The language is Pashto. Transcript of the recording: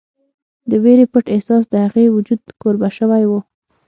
د وېرې پټ احساس د هغې وجود کوربه شوی و